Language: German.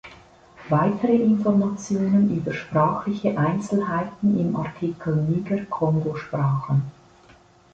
Weitere Informationen über sprachliche Einzelheiten im Artikel Niger-Kongo-Sprachen.